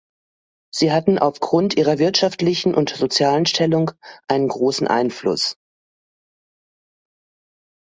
Sie hatten aufgrund ihrer wirtschaftlichen und sozialen Stellung einen großen Einfluss.